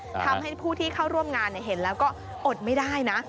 ทำให้ผู้ที่เข้าร่วมงานเห็นแล้วก็อดไม่ได้นะ